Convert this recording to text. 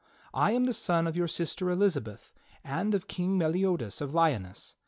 I am the son of your sister Elizabeth and of King Meli odas of Lyoness.